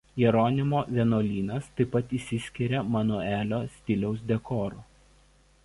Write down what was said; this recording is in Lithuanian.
Jeronimo vienuolynas taip pat išsiskiria manuelio stiliaus dekoru.